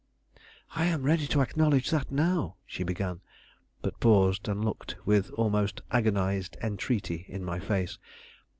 "I am ready to acknowledge that now," she began, but paused and looked with almost agonized entreaty in my face.